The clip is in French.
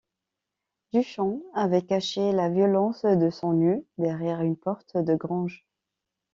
Duchamp avait caché la violence de son nu derrière une porte de grange.